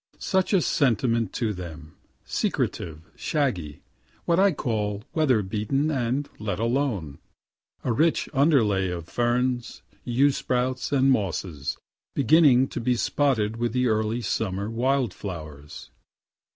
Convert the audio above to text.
Such a sentiment to them, secretive, shaggy what I call weather beaten and let alone a rich underlay of ferns, yew sprouts and mosses, beginning to be spotted with the early summer wild flowers.